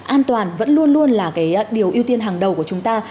an toàn vẫn luôn luôn là cái điều ưu tiên hàng đầu của chúng ta